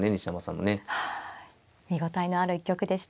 見応えのある一局でした。